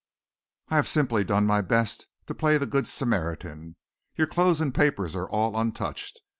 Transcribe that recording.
I have simply done my best to play the Good Samaritan. Your clothes and papers are all untouched.